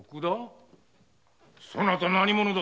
そなた何者だ。